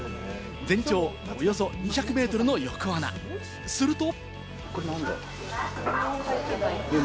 全長およそ２００ｍの横穴、すると。